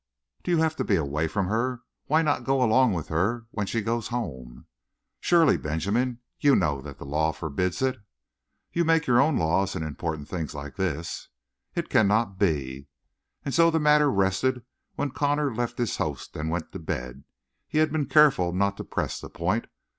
"Do you have to be away from her? Why not go along with her when she goes home?" "Surely, Benjamin, you know that a law forbids it!" "You make your own laws in important things like this." "It cannot be." And so the matter rested when Connor left his host and went to bed. He had been careful not to press the point.